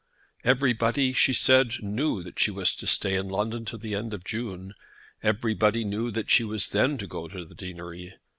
Everybody, she said, knew that she was to stay in London to the end of June. Everybody knew that she was then to go to the Deanery.